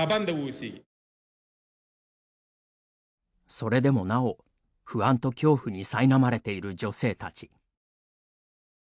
それでもなお、不安と恐怖にさいなまれている女性たち。